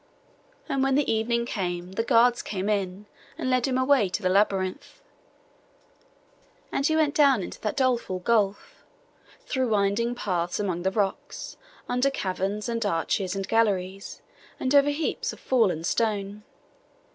And when the evening came, the guards came in and led him away to the labyrinth. And he went down into that doleful gulf, through winding paths among the rocks, under caverns, and arches, and galleries, and over heaps of fallen stone.